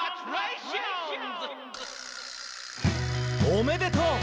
「おめでとう！」